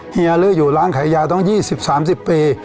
เฮียลื้ออยู่ร้านขายยาต้อง๒๐๓๐ปี